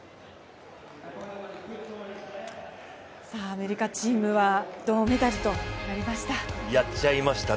アメリカチームは銅メダルとなりました。